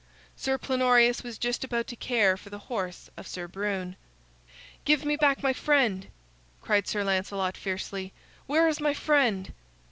Sir Plenorius was just about to care for the horse of Sir Brune. "Give me back my friend!" cried Sir Lancelot, fiercely. "Where is my friend?"